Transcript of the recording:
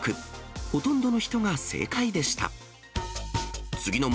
ほとんどの人が正解でした。